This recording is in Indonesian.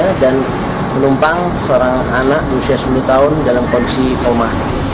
menumpang seorang anak usia sepuluh tahun dalam kondisi koma